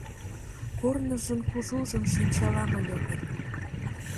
Корныжын кужужым шинчалам ыле гын